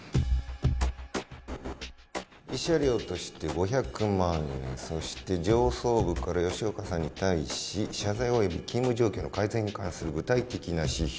慰謝料として５００万円そして上層部から吉岡さんに対し謝罪および勤務状況の改善に関する具体的な指標。